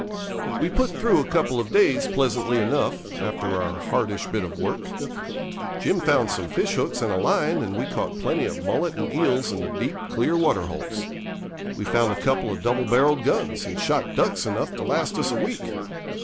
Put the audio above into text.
We put through a couple of days pleasantly enough, after our hardish bit of work. Jim found some fish hooks and a line, and we caught plenty of mullet and eels in the deep, clear waterholes. We found a couple of double barrelled guns, and shot ducks enough to last us a week.